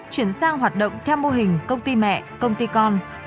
chuyển sang hoạt động theo mô hình công ty mẹ công ty con